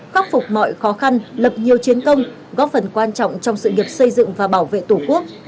góp phần quan trọng trong sự nghiệp xây dựng và bảo vệ tổ quốc